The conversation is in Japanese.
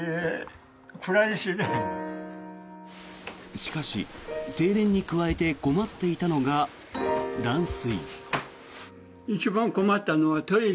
しかし、停電に加えて困っていたのが断水。